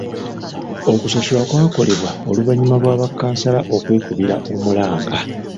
Okusasula kwakolebwa oluvannyuma lwa ba kkansala okwekubira omulanga.